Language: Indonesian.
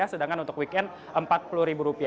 sedangkan untuk weekend rp empat puluh